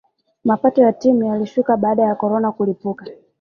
mapato ya timu yalishuka baada ya corona kulipuka